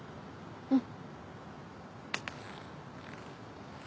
うん。